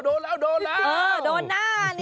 โดนหน้าซ์เนี่ยแหละ